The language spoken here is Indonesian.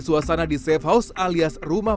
suasana di safe house alias rumah